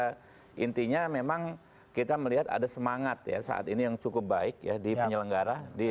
karena memang kita melihat ada semangat ya saat ini yang cukup baik ya di penyelenggara